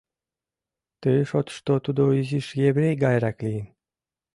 Ты шотышто тудо изиш еврей гайрак лийын.